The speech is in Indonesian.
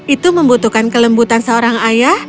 itu membutuhkan kelembutan seorang ayah